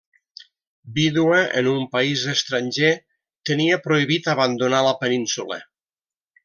Vídua en un país estranger, tenia prohibit abandonar la Península.